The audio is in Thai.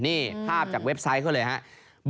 นี่ภาพจากเว็บไซต์เขาเลยครับ